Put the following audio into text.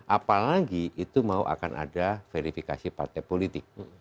apalagi itu mau akan ada verifikasi partai politik